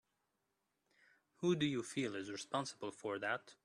Who do you feel is responsible for that?